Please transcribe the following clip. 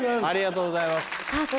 ありがとうございます。